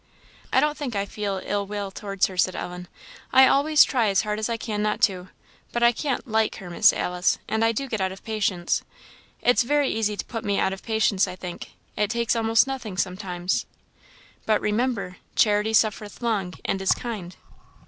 "I don't think I feel ill will towards her," said Ellen; "I always try as hard as I can not to; but I can't like her, Miss Alice; and I do get out of patience. It's very easy to put me out of patience, I think; it takes almost nothing, sometimes." "But, remember, 'charity suffereth long, and is kind.'